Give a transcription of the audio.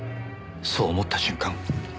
そう思った瞬間